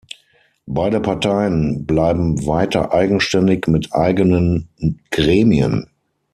Beide Parteien bleiben weiter eigenständig mit eigenen Gremien.